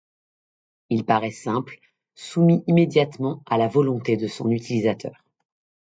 Il paraît simple, soumis immédiatement à la volonté de son utilisateur.